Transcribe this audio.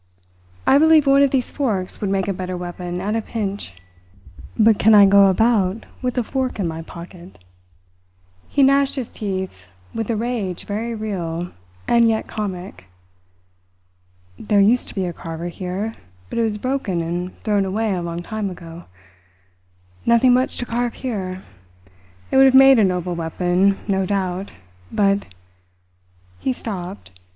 I believe one of these forks would make a better weapon at a pinch. But can I go about with a fork in my pocket?" He gnashed his teeth with a rage very real, and yet comic. "There used to be a carver here, but it was broken and thrown away a long time ago. Nothing much to carve here. It would have made a noble weapon, no doubt; but " He stopped.